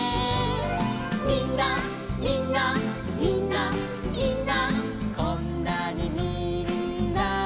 「みんなみんなみんなみんなこんなにみんな」